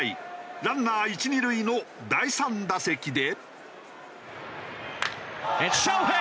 ランナー１・２塁の第３打席で。